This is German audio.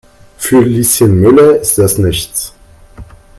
Für Lieschen Müller ist das nichts.